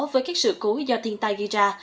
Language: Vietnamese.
với các sự cố do thiên tai ghi ra